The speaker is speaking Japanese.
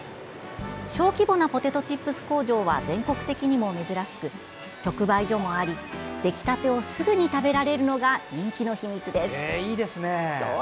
小規模なポテトチップス工場は全国的にも珍しく直売所もあり、出来たてをすぐに食べられるのが人気の秘密です。